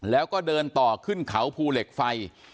แล้วก็เดินต่อขึ้นเขาภูเหล็กไฟ